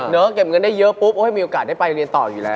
เก็บเงินได้เยอะปุ๊บมีโอกาสได้ไปเรียนต่ออยู่แล้ว